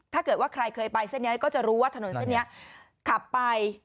ถ้าเกิดว่าใครเคยไปเส้นเนี่ยก็บรู้ถนนเส้นเนี่ยกลับไป